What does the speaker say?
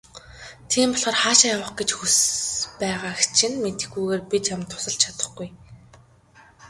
Тийм болохоор хаашаа явах гэж хүс байгааг чинь мэдэхгүйгээр би чамд тусалж чадахгүй.